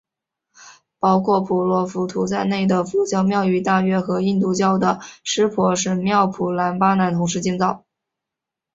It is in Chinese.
包括婆罗浮屠在内的佛教庙宇大约和印度教的湿婆神庙普兰巴南同时建造。